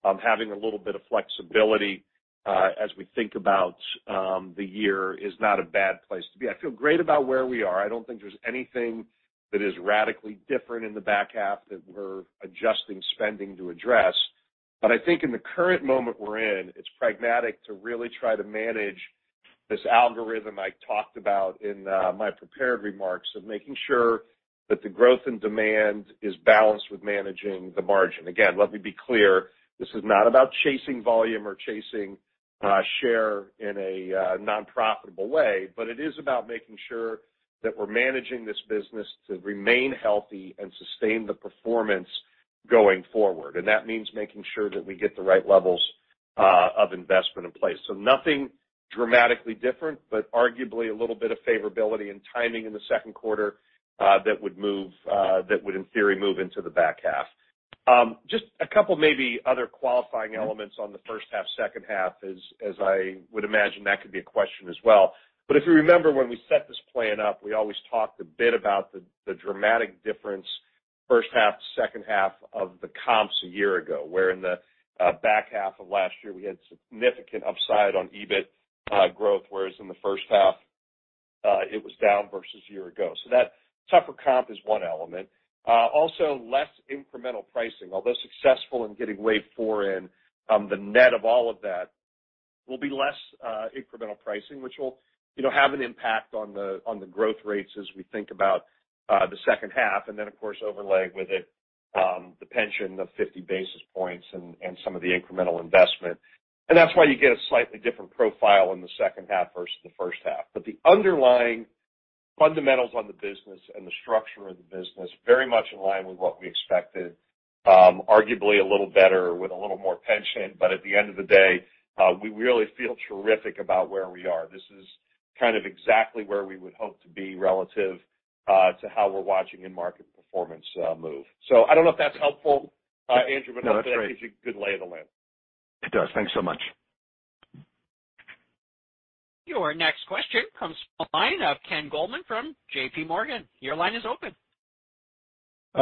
play, having a little bit of flexibility, as we think about, the year is not a bad place to be. I feel great about where we are. I don't think there's anything that is radically different in the back half that we're adjusting spending to address. I think in the current moment we're in, it's pragmatic to really try to manage this algorithm I talked about in, my prepared remarks of making sure that the growth and demand is balanced with managing the margin. Again, let me be clear, this is not about chasing volume or chasing share in a non-profitable way, but it is about making sure that we're managing this business to remain healthy and sustain the performance going forward. That means making sure that we get the right levels of investment in place. Nothing dramatically different, but arguably a little bit of favorability and timing in the second quarter, that would move, that would in theory, move into the back half. Just a couple maybe other qualifying elements on the first half, second half as I would imagine that could be a question as well. If you remember when we set this plan up, we always talked a bit about the dramatic difference first half to second half of the comps a year ago, where in the back half of last year, we had significant upside on EBIT growth, whereas in the first half, it was down versus year ago. That tougher comp is one element. Also less incremental pricing. Although successful in getting wave four in, the net of all of that will be less incremental pricing, which will, you know, have an impact on the growth rates as we think about the second half. Then of course, overlay with it, the pension of 50 basis points and some of the incremental investment. That's why you get a slightly different profile in the second half versus the first half. The underlying fundamentals on the business and the structure of the business, very much in line with what we expected. Arguably a little better with a little more pension, but at the end of the day, we really feel terrific about where we are. This is kind of exactly where we would hope to be relative to how we're watching in market performance move. I don't know if that's helpful, Andrew. No, that's great. Hopefully that gives you a good lay of the land. It does. Thanks so much. Your next question comes from the line of Ken Goldman from JPMorgan. Your line is open.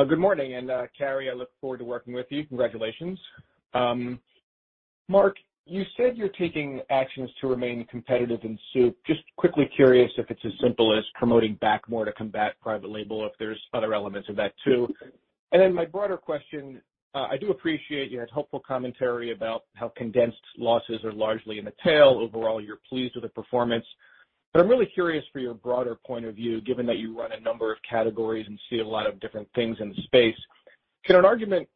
Good morning, Carrie, I look forward to working with you. Congratulations. Mark, you said you're taking actions to remain competitive in soup. Just quickly curious if it's as simple as promoting back more to combat private label, if there's other elements of that too? My broader question, I do appreciate you had helpful commentary about how condensed losses are largely in the tail. Overall, you're pleased with the performance. I'm really curious for your broader point of view, given that you run a number of categories and see a lot of different things in the space. Can an argument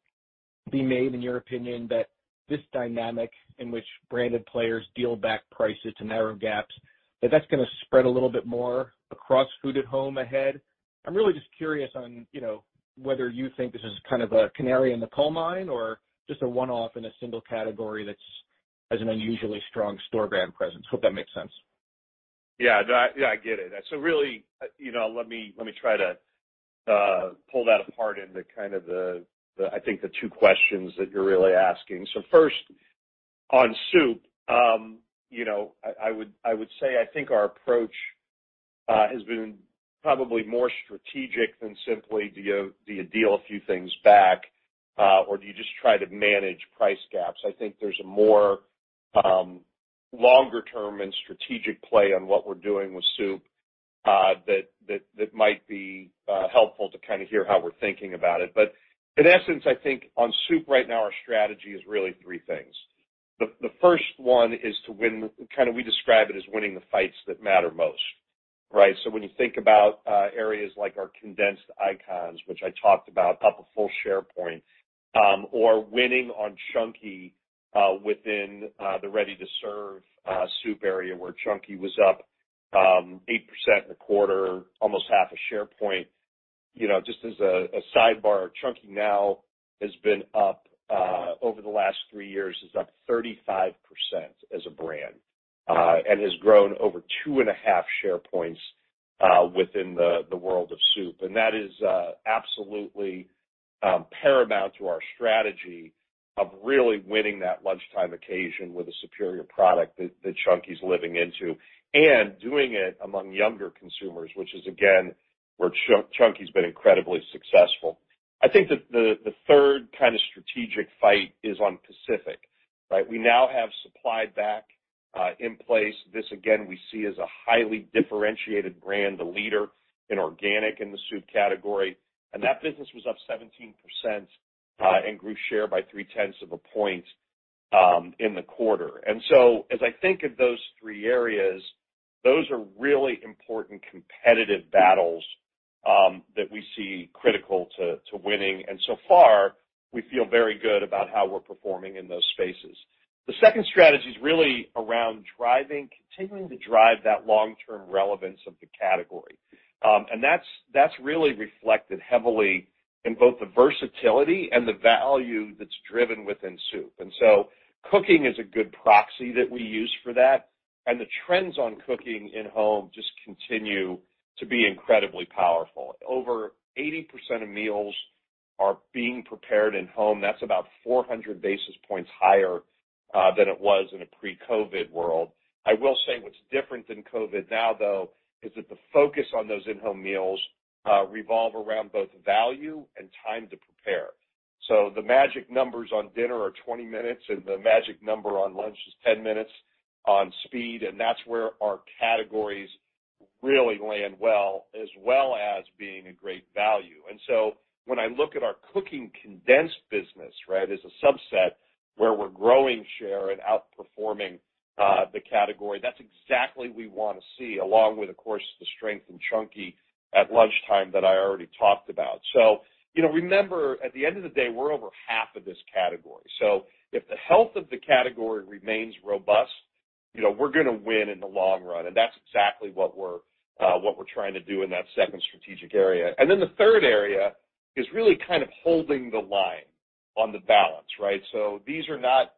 be made, in your opinion, that this dynamic in which branded players deal back prices to narrow gaps, that that's gonna spread a little bit more across food at home ahead? I'm really just curious on, you know, whether you think this is kind of a canary in the coal mine or just a one-off in a single category that has an unusually strong store brand presence? Hope that makes sense. Yeah, no, I get it. Really, you know, let me, let me try to pull that apart into kind of the, I think the two questions that you're really asking. First, on Soup, you know, I would say I think our approach has been probably more strategic than simply, do you deal a few things back, or do you just try to manage price gaps? I think there's a more longer term and strategic play on what we're doing with Soup that might be helpful to kinda hear how we're thinking about it. In essence, I think on Soup right now, our strategy is really three things. The first one is to win, kinda we describe it as winning the fights that matter most, right? When you think about areas like our condensed icons, which I talked about, up a full share point, or winning on Chunky within the ready-to-serve soup area where Chunky was up 8% in the quarter, almost half a share point. You know, just as a sidebar, Chunky now has been up over the last three years, is up 35% as a brand, and has grown over 2.5 share points within the world of soup. That is absolutely paramount to our strategy of really winning that lunchtime occasion with a superior product that Chunky's living into, and doing it among younger consumers, which is again, where Chunky's been incredibly successful. I think the third kind of strategic fight is on Pacific, right? We now have supply back in place. This again, we see as a highly differentiated brand, the leader in organic in the soup category. That business was up 17% and grew share by 3/10 of a point in the quarter. As I think of those three areas, those are really important competitive battles that we see critical to winning. So far, we feel very good about how we're performing in those spaces. The second strategy is really around continuing to drive that long-term relevance of the category. That's, that's really reflected heavily in both the versatility and the value that's driven within soup. Cooking is a good proxy that we use for that. The trends on cooking in home just continue to be incredibly powerful. Over 80% of meals are being prepared in home. That's about 400 basis points higher than it was in a pre-COVID world. I will say what's different than COVID now, though, is that the focus on those in-home meals revolve around both value and time to prepare. The magic numbers on dinner are 20 minutes, and the magic number on lunch is 10 minutes on speed, and that's where our categories really land well, as well as being a great value. When I look at our cooking condensed business, right, as a subset where we're growing share and outperforming the category, that's exactly we wanna see, along with, of course, the strength in Chunky at lunchtime that I already talked about. You know, remember, at the end of the day, we're over 1/2 of this category. If the health of the category remains robust, you know, we're gonna win in the long run, and that's exactly what we're what we're trying to do in that second strategic area. Then the third area is really kind of holding the line on the balance, right? These are not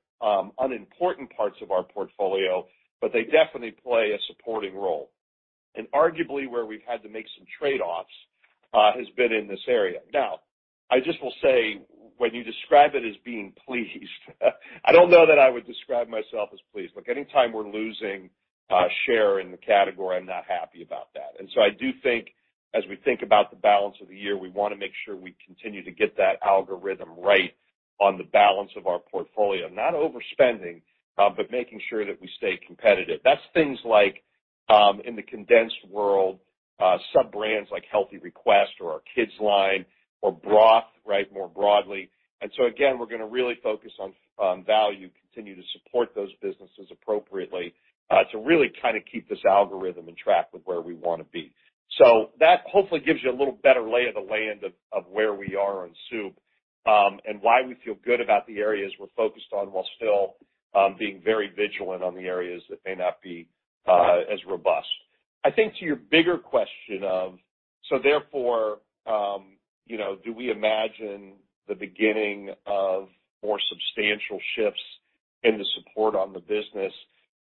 unimportant parts of our portfolio, but they definitely play a supporting role. Arguably, where we've had to make some trade-offs, has been in this area. I just will say, when you describe it as being pleased, I don't know that I would describe myself as pleased. Look, anytime we're losing share in the category, I'm not happy about that. I do think as we think about the balance of the year, we wanna make sure we continue to get that algorithm right on the balance of our portfolio. Not overspending, but making sure that we stay competitive. That's things like, in the condensed world, sub-brands like Healthy Request or our kids line or broth, right, more broadly. Again, we're gonna really focus on value, continue to support those businesses appropriately, to really kind of keep this algorithm in track with where we wanna be. That hopefully gives you a little better lay of the land of where we are on soup, and why we feel good about the areas we're focused on while still, being very vigilant on the areas that may not be as robust. I think to your bigger question of, therefore, you know, do we imagine the beginning of more substantial shifts in the support on the business?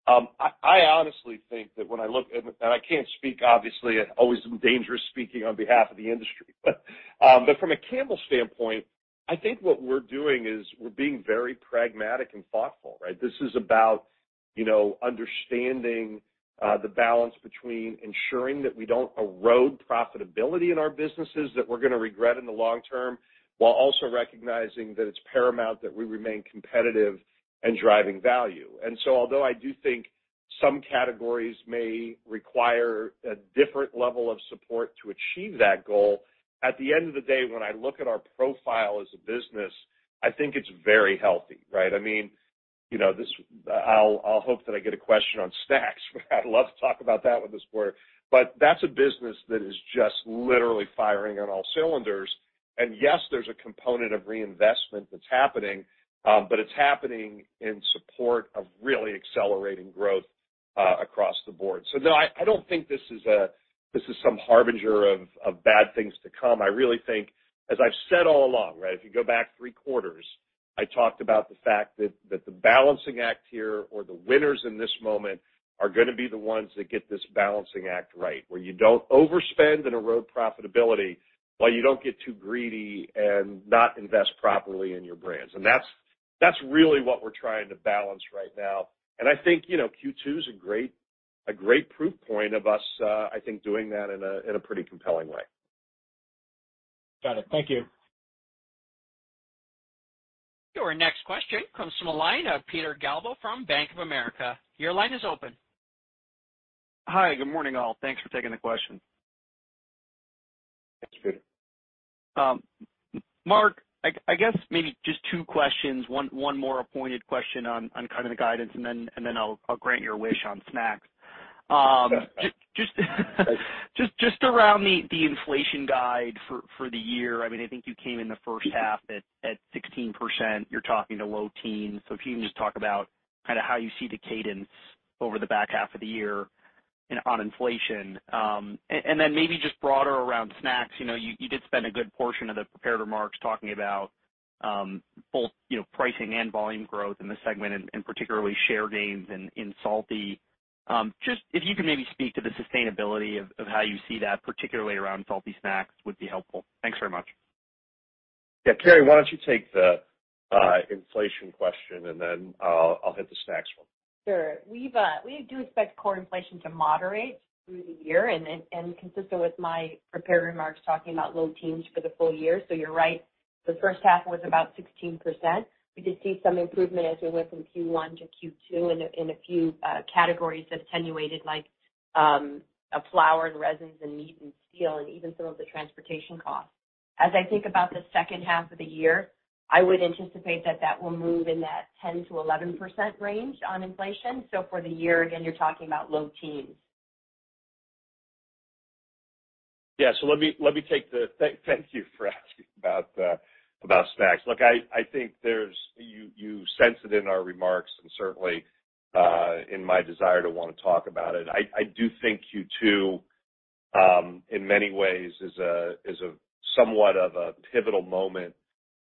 I honestly think that when I look at and I can't speak obviously, always dangerous speaking on behalf of the industry. From a Campbell standpoint, I think what we're doing is we're being very pragmatic and thoughtful, right? This is about, you know, understanding the balance between ensuring that we don't erode profitability in our businesses that we're gonna regret in the long term, while also recognizing that it's paramount that we remain competitive and driving value. Although I do think some categories may require a different level of support to achieve that goal, at the end of the day, when I look at our profile as a business, I think it's very healthy, right? I mean, you know, this I'll hope that I get a question on Snacks. I'd love to talk about that with this quarter. That's a business that is just literally firing on all cylinders. Yes, there's a component of reinvestment that's happening, but it's happening in support of really accelerating growth across the board. No, I don't think this is some harbinger of bad things to come. I really think, as I've said all along, right, if you go back three quarters, I talked about the fact that the balancing act here or the winners in this moment are gonna be the ones that get this balancing act right, where you don't overspend and erode profitability while you don't get too greedy and not invest properly in your brands. That's really what we're trying to balance right now. I think, you know, Q2 is a great proof point of us, I think doing that in a, in a pretty compelling way. Got it. Thank you. Your next question comes from the line of Peter Galbo from Bank of America. Your line is open. Hi. Good morning, all. Thanks for taking the question. Thank you, Peter. Mark, I guess maybe just two questions, one more appointed question on kind of the guidance, and then I'll grant your wish on Snacks. Just around the inflation guide for the year. I mean, I think you came in the first half at 16%. You're talking to low teens. If you can just talk about kind of how you see the cadence over the back half of the year on inflation. Then maybe just broader around Snacks. You know, you did spend a good portion of the prepared remarks talking about, both, you know, pricing and volume growth in the segment, and particularly share gains in salty. Just if you could maybe speak to the sustainability of how you see that particularly around salty snacks would be helpful. Thanks very much. Yeah, Carrie, why don't you take the inflation question and then I'll hit the Snacks one. Sure. We do expect core inflation to moderate through the year and consistent with my prepared remarks talking about low teens for the full year. You're right. The first half was about 16%. We did see some improvement as we went from Q1 to Q2 in a few categories that attenuated like flour and resins and meat and steel and even some of the transportation costs. As I think about the second half of the year, I would anticipate that that will move in that 10%-11% range on inflation. For the year, again, you're talking about low teens. Let me take the thank you for asking about Snacks. Look, I think you sensed it in our remarks and certainly in my desire to wanna talk about it. I do think Q2 in many ways is a somewhat of a pivotal moment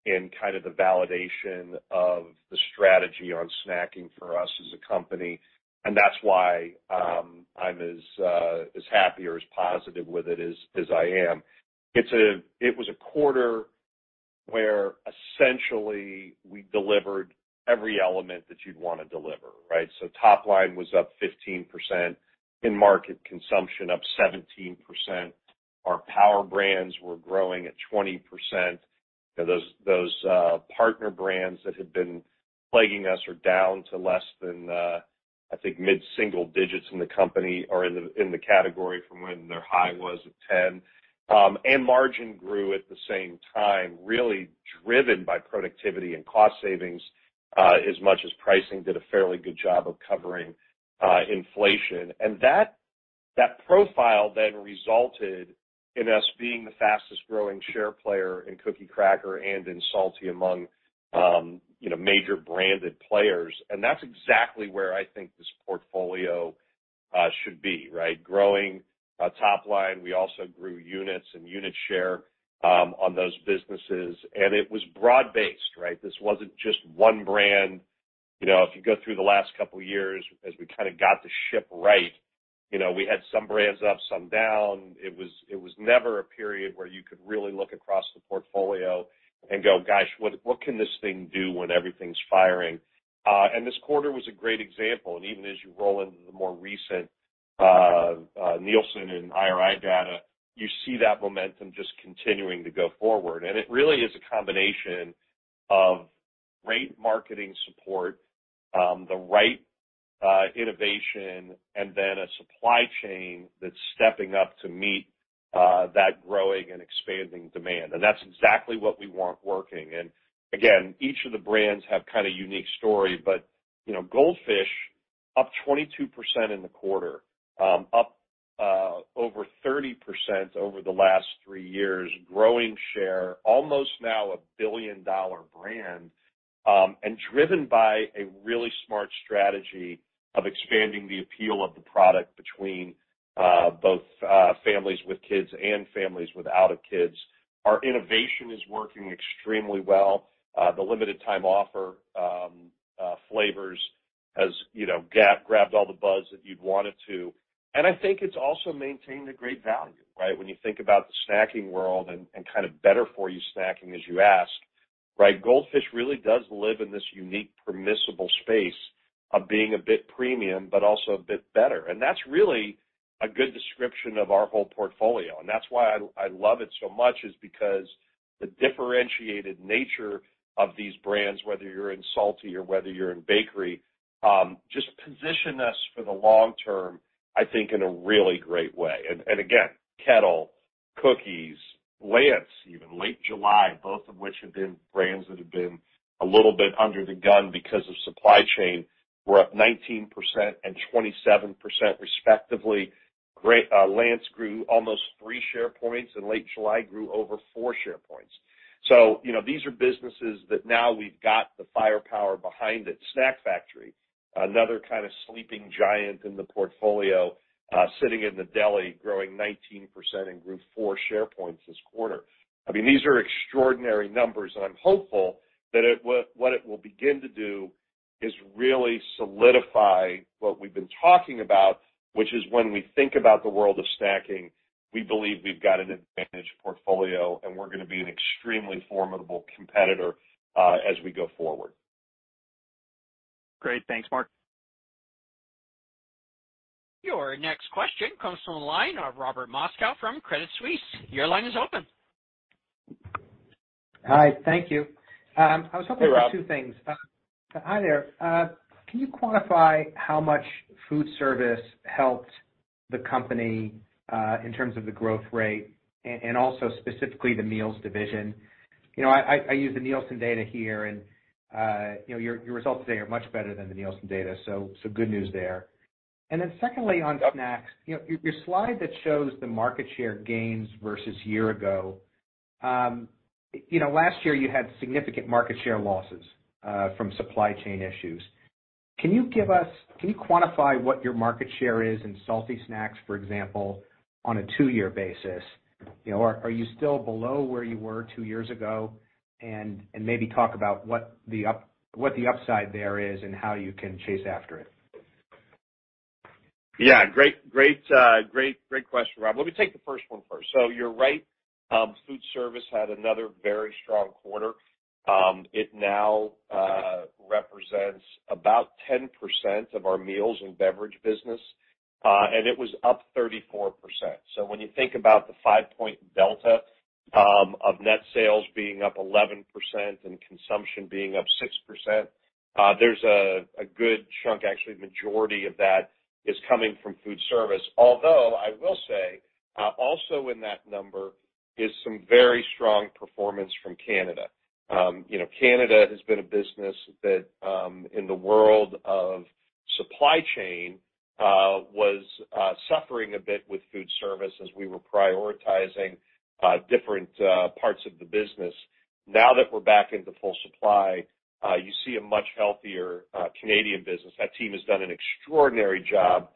in kind of the validation of the strategy on snacking for us as a company. That's why I'm as happy or as positive with it as I am. It was a quarter where essentially we delivered every element that you'd wanna deliver, right? Top line was up 15%, in-market consumption up 17%. Our Power Brands were growing at 20%. You know, those partner brands that had been plaguing us are down to less than I think mid-single digits in the category from when their high was of 10%. Margin grew at the same time, really driven by productivity and cost savings as much as pricing did a fairly good job of covering inflation. That profile then resulted in us being the fastest growing share player in cookie, cracker, and in salty among, you know, major branded players. That's exactly where I think this portfolio should be, right? Growing top line. We also grew units and unit share on those businesses. It was broad-based, right? This wasn't just one brand. You know, if you go through the last couple years as we kinda got the ship right, you know, we had some brands up, some down. It was never a period where you could really look across the portfolio and go, "Gosh, what can this thing do when everything's firing?" This quarter was a great example. Even as you roll into the more recent Nielsen and IRI data, you see that momentum just continuing to go forward. It really is a combination of great marketing support, the right innovation, and then a supply chain that's stepping up to meet that growing and expanding demand. That's exactly what we want working. Again, each of the brands have kind of unique story, but, you know, Goldfish up 22% in the quarter, up over 30% over the last three years, growing share, almost now a billion-dollar brand, driven by a really smart strategy of expanding the appeal of the product between both families with kids and families without kids. Our innovation is working extremely well. The limited time offer flavors has, you know, grabbed all the buzz that you'd want it to. I think it's also maintained a great value, right? When you think about the snacking world and kind of better for you snacking as you ask, right, Goldfish really does live in this unique permissible space of being a bit premium but also a bit better. That's really a good description of our whole portfolio. That's why I love it so much, is because the differentiated nature of these brands, whether you're in salty or whether you're in bakery, just position us for the long term, I think, in a really great way. Again, Kettle, Cookies, Lance even, Late July, both of which have been brands that have been a little bit under the gun because of supply chain, were up 19% and 27% respectively. Lance grew almost three share points and Late July grew over four share points. You know, these are businesses that now we've got the firepower behind it. Snack Factory, another kind of sleeping giant in the portfolio, sitting in the deli, growing 19% and grew four share points this quarter. I mean, these are extraordinary numbers, and I'm hopeful that it what it will begin to do is really solidify what we've been talking about, which is when we think about the world of snacking, we believe we've got an advantaged portfolio, and we're gonna be an extremely formidable competitor, as we go forward. Great. Thanks, Mark. Your next question comes from the line of Robert Moskow from Credit Suisse. Your line is open. Hi, thank you. I was hoping for two things. Hey, Rob. Hi there. Can you quantify how much Food Service helped the company in terms of the growth rate and also specifically the meals division? You know, I use the Nielsen data here, and you know, your results today are much better than the Nielsen data, so good news there. Secondly, on Snacks, you know, your slide that shows the market share gains versus year ago, you know, last year you had significant market share losses from supply chain issues. Can you quantify what your market share is in salty snacks, for example, on a two-year basis? You know, are you still below where you were two years ago? And maybe talk about what the upside there is and how you can chase after it. Yeah, great question, Robert. Let me take the first one first. You're right, Food Service had another very strong quarter. It now represents about 10% of our Meals & Beverages business, and it was up 34%. When you think about the five-point delta, of net sales being up 11% and consumption being up 6%, there's a good chunk, actually, majority of that is coming from Food Service. Although, I will say, also in that number is some very strong performance from Canada. You know, Canada has been a business that, in the world of supply chain, was suffering a bit with Food Service as we were prioritizing different parts of the business. Now that we're back into full supply, you see a much healthier Canadian business. That team has done an extraordinary job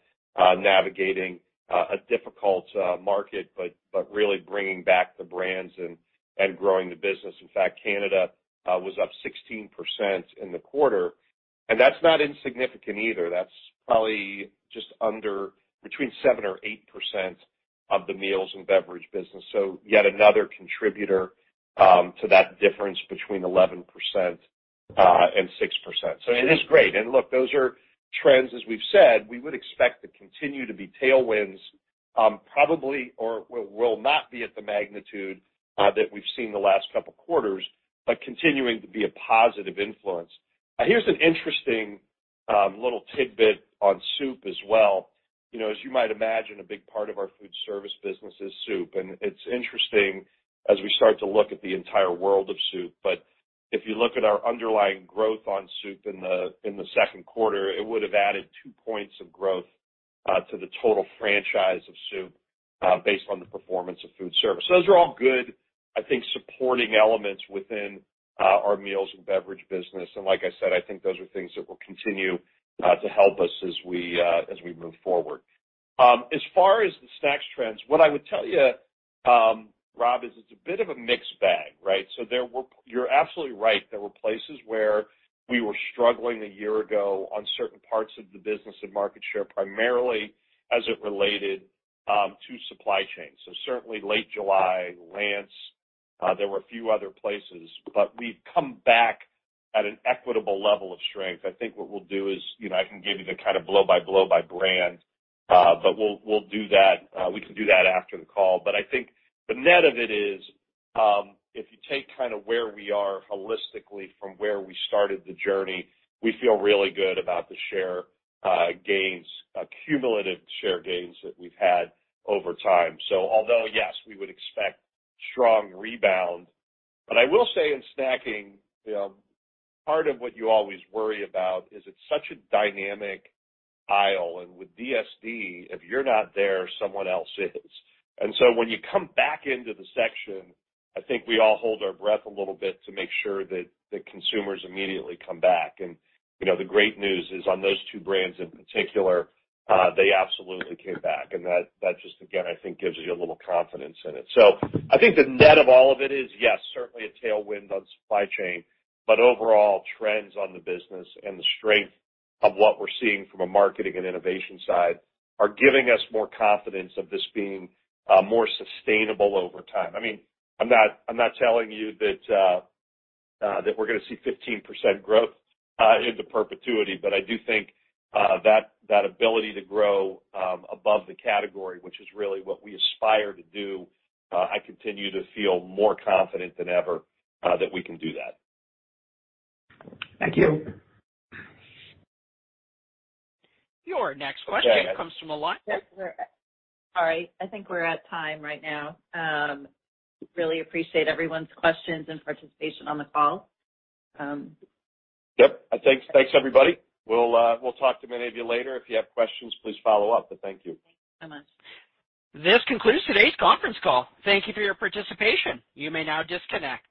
navigating a difficult market, but really bringing back the brands and growing the business. In fact, Canada was up 16% in the quarter, and that's not insignificant either. That's probably just under between 7% or 8% of the Meals & Beverages business. Yet another contributor to that difference between 11% and 6%. It is great. Look, those are trends, as we've said, we would expect to continue to be tailwinds, probably or will not be at the magnitude that we've seen the last couple quarters, but continuing to be a positive influence. Now, here's an interesting little tidbit on Soup as well. You know, as you might imagine, a big part of our Food Service business is Soup, and it's interesting as we start to look at the entire world of soup. If you look at our underlying growth on Soup in the second quarter, it would have added 2 points of growth to the total franchise of Soup based on the performance of Food Service. Those are all good, I think, supporting elements within our Meals & Beverages business. Like I said, I think those are things that will continue to help us as we move forward. As far as the Snacks trends, what I would tell you, Rob, is it's a bit of a mixed bag, right? You're absolutely right. There were places where we were struggling a year ago on certain parts of the business and market share, primarily as it related to supply chain. Certainly Late July, Lance, there were a few other places, but we've come back at an equitable level of strength. I think what we'll do is, you know, I can give you the kind of blow by blow by brand, but we'll do that. We can do that after the call. I think the net of it is, if you take kinda where we are holistically from where we started the journey, we feel really good about the share, gains, accumulative share gains that we've had over time. Although, yes, we would expect strong rebound. I will say in snacking, you know, part of what you always worry about is it's such a dynamic aisle, and with DSD, if you're not there, someone else is. When you come back into the section, I think we all hold our breath a little bit to make sure that the consumers immediately come back. You know, the great news is on those two brands in particular, they absolutely came back. That just again, I think gives you a little confidence in it. I think the net of all of it is, yes, certainly a tailwind on supply chain, but overall trends on the business and the strength of what we're seeing from a marketing and innovation side are giving us more confidence of this being more sustainable over time. I mean, I'm not telling you that we're gonna see 15% growth into perpetuity. I do think that ability to grow above the category, which is really what we aspire to do, I continue to feel more confident than ever, that we can do that. Thank you. Your next question comes from a line- Go ahead. Sorry, I think we're at time right now. Really appreciate everyone's questions and participation on the call. Yep. Thanks. Thanks, everybody. We'll, we'll talk to many of you later. If you have questions, please follow up. Thank you. Thank you so much. This concludes today's conference call. Thank you for your participation. You may now disconnect.